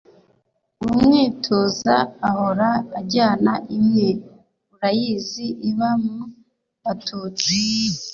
Umwituza ahora ajyana imwe urayizi iba mu Batutsi